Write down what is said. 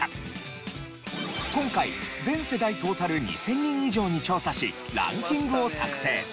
今回全世代トータル２０００人以上に調査しランキングを作成。